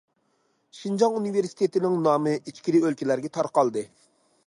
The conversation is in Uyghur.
شىنجاڭ ئۇنىۋېرسىتېتىنىڭ نامى ئىچكىرى ئۆلكىلەرگە تارقالدى.